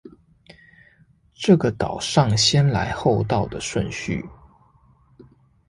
這個島上先來後到的順序